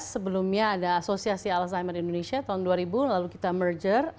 sebelumnya ada asosiasi alzheimer indonesia tahun dua ribu lalu kita merger